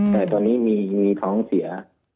แต่ตอนนี้มีท้องเสีย